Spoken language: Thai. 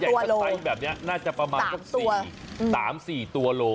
แค่สไตล์แบบนี้น่าจะประมาณก็๓๔ตัวโล